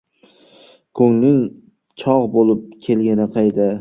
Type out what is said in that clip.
koʻngling chogʻ boʻlib kelgani qayda!